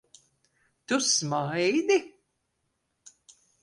Tu smaidi?